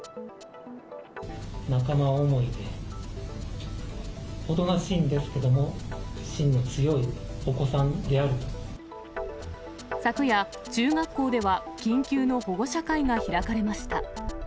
仲間思いで、おとなしいんですけれども、昨夜、中学校では緊急の保護者会が開かれました。